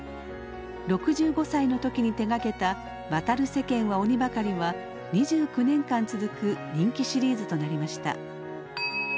６５歳の時に手がけた「渡る世間は鬼ばかり」は２９年間続く人気シリーズとなりました。